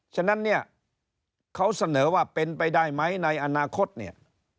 ฉะนั้นเนี่ยเขาเสนอว่าเป็นไปได้ไหมในอนาคตเนี่ย